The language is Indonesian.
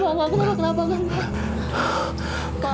papa gak kenapa kenapa kan pak